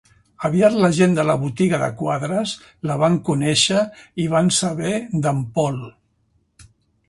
Aviat la gent de la botiga de quadres la van conèixer i van saber d'en Paul.